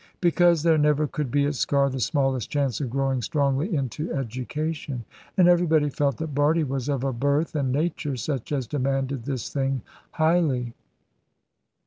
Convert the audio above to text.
Because there never could be at Sker the smallest chance of growing strongly into education. And everybody felt that Bardie was of a birth and nature such as demanded this thing highly.